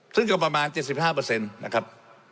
ซึ่งก็ประมาณ๗๕นะครับ